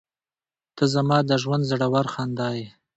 • ته زما د ژونده زړور خندا یې.